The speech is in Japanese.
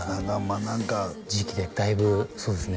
何か時期でだいぶそうですね